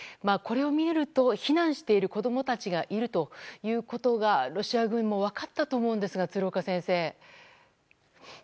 これを見ると、避難している子供たちがいるということがロシア軍にも分かったと思うんですが、鶴岡先生。